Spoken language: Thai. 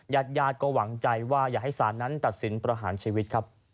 ญาติญาติก็หวังใจว่าอยากให้ศาลนั้นตัดสินประหารชีวิตครับ